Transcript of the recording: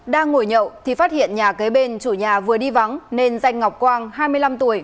đang ngồi nhậu thì phát hiện nhà kế bên chủ nhà vừa đi vắng nên danh ngọc quang hai mươi năm tuổi